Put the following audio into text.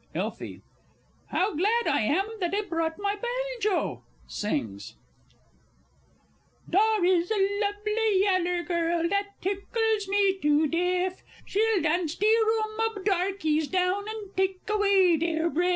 Elfie. How glad I am that I brought my banjo! [Sings. _Dar is a lubly yaller gal dat tickles me to deff; She'll dance de room ob darkies down, and take away deir breff.